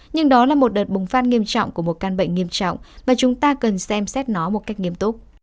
nhưng đó là một đợt bùng phát nghiêm trọng của một căn bệnh nghiêm trọng và chúng ta cần xem xét nó một cách nghiêm túc